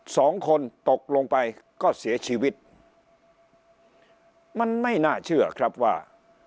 สองคนตกลงไปก็เสียชีวิตมันไม่น่าเชื่อครับว่า